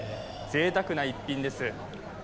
ぜいたくな一品です。